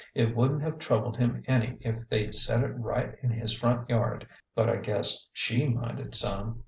It wouldn't have troubled him any if they'd set it right in his front yard. But I guess she minded some.